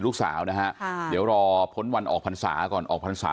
ลูกสาวนะฮะค่ะเดี๋ยวรอพ้นวันออกพรรษาก่อนออกพรรษา